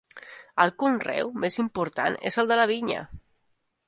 El conreu més important és el de la vinya.